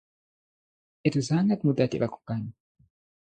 Itu sangat mudah dilakukan.